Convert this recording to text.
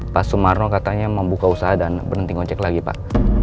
pak sumarno katanya mau buka usaha dan berhenti ngoncek lagi pak